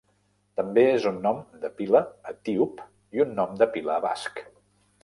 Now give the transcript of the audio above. També és un nom de pila etíop i un nom de pila basc.